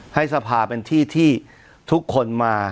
ให้สภาเป็นที่ที่ทุกคนมา